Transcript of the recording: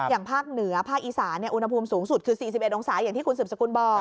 อย่างภาคเหนือภาคอีสานอุณหภูมิสูงสุดคือ๔๑องศาอย่างที่คุณสืบสกุลบอก